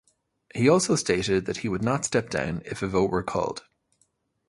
He also stated that he would not step down if a vote were called.